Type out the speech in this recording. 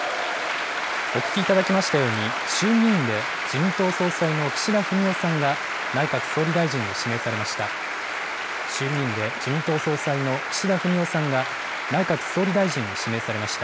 お聞きいただきましたように、衆議院で自民党総裁の岸田文雄さんが、内閣総理大臣に指名されました。